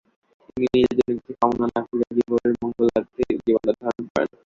তিনি নিজের জন্য কিছু কামনা না করিয়া জীবের মঙ্গলার্থেই জীবনধারণ করেন।